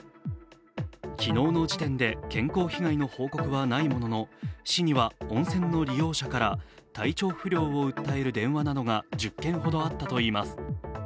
昨日の時点で健康被害の報告はないものの市には温泉の利用者から体調不良を訴える電話などが１０件ほどあったといいます。